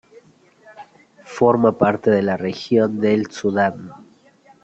Forma parte de la región del Sudán.